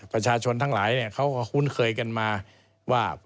ประชาชนทั้งหลายเนี่ยเขาคุ้นเกยกันมาว่า